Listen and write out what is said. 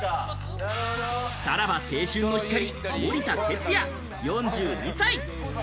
さらば青春の光・森田哲矢４２歳。